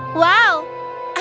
kita tidak seharusnya berada disini